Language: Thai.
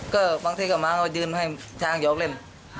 ก็บางทีก็มาก็ยืนให้ช้างหยอกเล่น